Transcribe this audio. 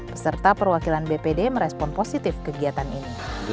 peserta perwakilan bpd merespon positif kegiatan ini